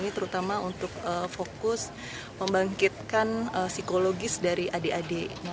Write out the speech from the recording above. terutama untuk fokus membangkitkan psikologis dari adik adik